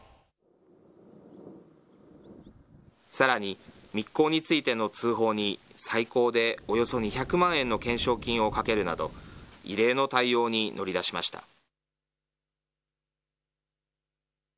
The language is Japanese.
さらに密航についての通報に、最高でおよそ２００万円の懸賞金をかけるなど、異例の対応に乗り出しました。